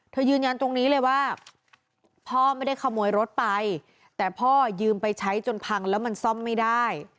ยืนยันตรงนี้เลยว่าพ่อไม่ได้ขโมยรถไปแต่พ่อยืมไปใช้จนพังแล้วมันซ่อมไม่ได้